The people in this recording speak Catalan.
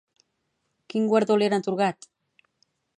Quin guardó li han atorgat?